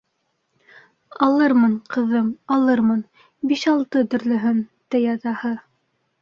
— Алырмын, ҡыҙым, алырмын, биш-алты төрлөһөн, — ти атаһы.